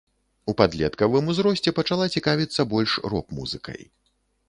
У падлеткавым узросце, пачала цікавіцца больш рок-музыкай.